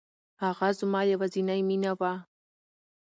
هغه زما يوازينی مینه وه.